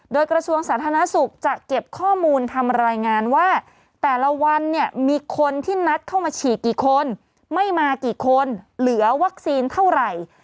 โดยกระทรวงสาธารณสุขจะเก็บข้อมูลทำรายงานว่าแต่ละวันเนี่ยมีคนที่นัดเข้ามาฉีดกี่คนไม่มากี่คนเหลือวัคซีนเท่าไหร่